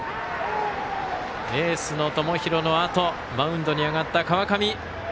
エースの友廣のあとマウンドに上がった川上。